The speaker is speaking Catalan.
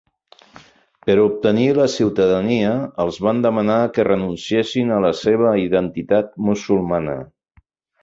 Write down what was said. Per obtenir la ciutadania, els van demanar que renunciessin a la seva identitat musulmana.